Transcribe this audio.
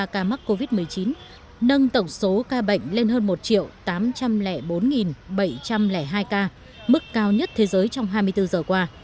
bảy bảy trăm tám mươi ba ca mắc covid một mươi chín nâng tổng số ca bệnh lên hơn một tám trăm linh bốn bảy trăm linh hai ca mức cao nhất thế giới trong hai mươi bốn giờ qua